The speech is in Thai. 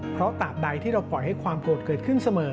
เพราะตามใดที่เราปล่อยให้ความโกรธเกิดขึ้นเสมอ